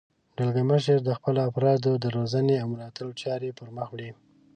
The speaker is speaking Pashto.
دلګی مشر د خپلو افرادو د روزنې او ملاتړ چارې پرمخ وړي.